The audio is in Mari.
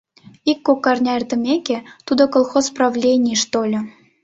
Ик-кок арня эртымеке, тудо колхоз правленийыш тольо.